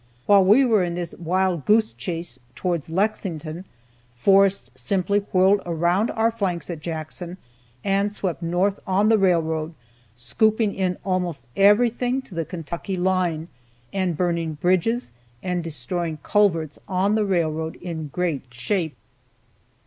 While we were on this wild goose chase towards Lexington, Forrest simply whirled around our flanks at Jackson, and swept north on the railroad, scooping in almost everything to the Kentucky line, and burning bridges and destroying culverts on the railroad in great shape.